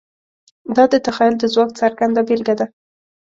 دا د تخیل د ځواک څرګنده بېلګه ده.